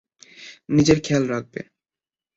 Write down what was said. নিজের খেয়াল রাখবে।